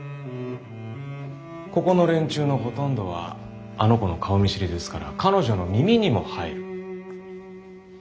ここの連中のほとんどはあの子の顔見知りですから彼女の耳にも入る。